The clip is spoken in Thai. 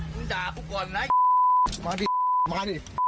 นึงด่าพวกก่อนนะมาดิมาดิ